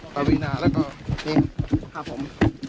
ประวินาค์แล้วก็เค้ง